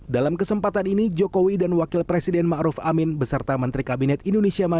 dalam kesempatan ini jokowi dan wakil presiden ma'ruf amin beserta menteri kabinet indonesia